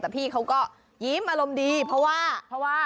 แต่พี่เขาก็ยิมอารมณ์ดีเพราะว่า